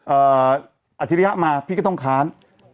เอ่ออัชฌิริยะมาพี่ก็ต้องค้าน